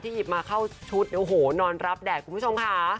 หยิบมาเข้าชุดโอ้โหนอนรับแดดคุณผู้ชมค่ะ